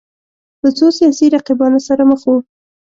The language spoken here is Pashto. له څو سیاسي رقیبانو سره مخ وو